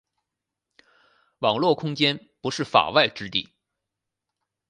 网络空间不是“法外之地”。